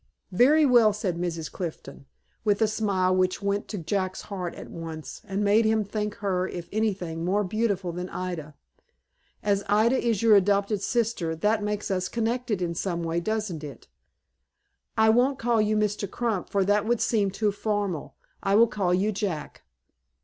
"Very well," said Mrs. Clifton, with a smile which went to Jack's heart at once, and made him think her, if anything, more beautiful than Ida; "as Ida is your adopted sister, that makes us connected in some way, doesn't it? I won't call you Mr. Crump, for that would seem too formal. I will call you Jack."